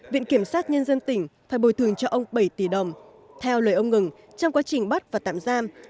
viện kiểm sát nhân dân tỉnh phải bồi thường cho ông bảy tỷ đồng theo lời ông ngừng trong quá trình bắt và tạm giam